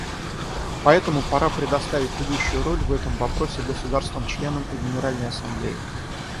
Поэтому пора предоставить ведущую роль в этом вопросе государствам-членам и Генеральной Ассамблее.